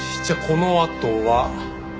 じゃあこのあとは。